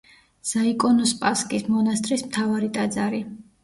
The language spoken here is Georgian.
ზაიკონოსპასკის მონასტრის მთავარი ტაძარი.